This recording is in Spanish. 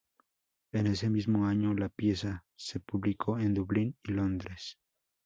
En ese mismo año la pieza se publicó en Dublín y Londres.